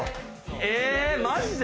えマジで？